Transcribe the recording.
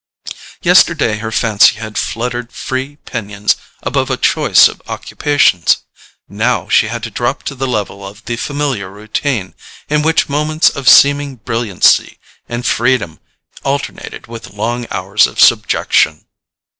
Yesterday her fancy had fluttered free pinions above a choice of occupations; now she had to drop to the level of the familiar routine, in which moments of seeming brilliancy and freedom alternated with long hours of subjection.